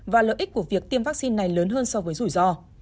và lợi ích của việc tiêm vaccine này lớn hơn so với rủi ro